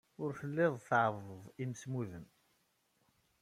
Ur telliḍ tɛebbdeḍ imsemmuden.